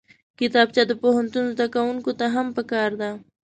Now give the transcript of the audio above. کتابچه د پوهنتون زدکوونکو ته هم پکار ده